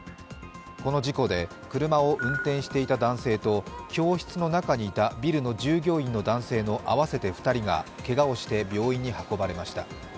この事故で車を運転していた男性と教室の中にいたビルの従業員の男性の合わせて２人がけがをして病院に運ばれました。